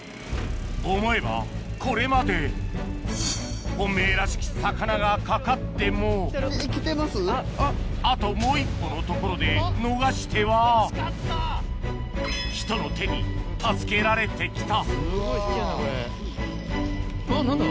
思えばこれまで本命らしき魚がかかってもあともう一歩のところで逃してはひとの手に助けられて来たあっ何だ？